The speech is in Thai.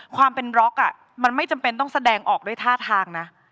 ความเป็นร็อกมันไม่จำเป็นต้องแสดงออกด้วยท่าทางนะ